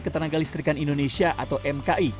ketenaga listrikan indonesia atau mki